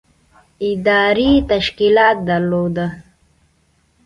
ادارې تشکیلات درلودل.